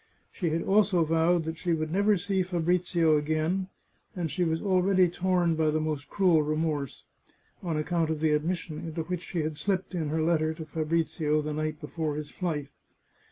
She had also vowed she would never see Fabrizio again, and she was already torn by the most cruel remorse, on account of the admission into which she had slipped in her letter to Fabrizio the night before his flight.